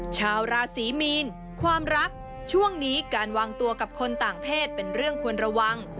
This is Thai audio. ชาวราศีมีนความรักช่วงนี้การวางตัวกับคนต่างเพศเป็นเรื่องควรระวัง